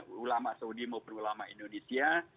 ulama saudi maupun ulama indonesia